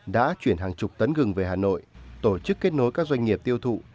đã chuyển hàng chục tấn gừng về hà nội tổ chức kết nối các doanh nghiệp tiêu thụ